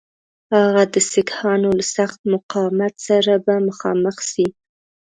هغه د سیکهانو له سخت مقاومت سره به مخامخ سي.